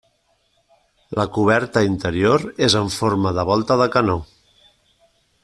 La coberta interior és en forma de volta de canó.